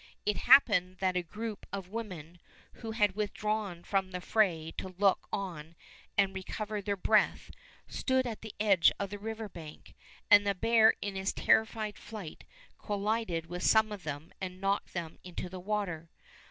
It happened that a group of women, who had withdrawn from the fray to look on and recover their breath, stood at the edge of the river bank, and the bear in his terrified flight collided with some of them and knocked them into the water.